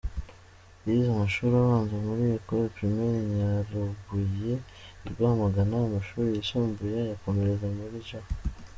Yize amashuri abanza muri Ecole Primaire Nyarubuye i Rwamagana, amashuri yisumbuye ayakomereza muri G.